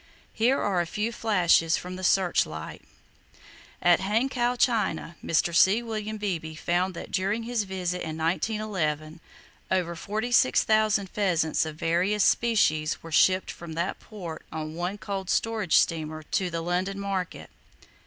Here are a few flashes from the searchlight: At Hangkow, China, Mr. C. William Beebe found that during his visit in 1911, over 46,000 pheasants of various species were shipped from that port on one cold storage steamer to the London market.